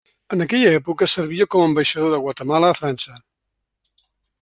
En aquella època servia com a ambaixador de Guatemala a França.